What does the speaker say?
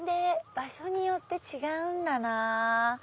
場所によって違うんだなぁ。